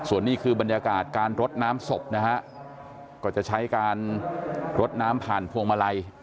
ส่วนนี้คือบรรยากาศการรดน้ำศพนะฮะก็จะใช้การรดน้ำผ่านพวงมาลัย